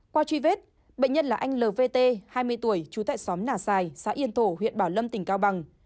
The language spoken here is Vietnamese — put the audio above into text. qua truy vết bệnh nhân là anh lvt hai mươi tuổi trú tại xóm nà xài xã yên tổ huyện bảo lâm tỉnh cao bằng